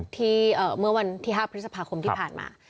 เมื่อวันที่๕พฤษภาคมที่ผ่านมา